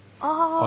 ああ。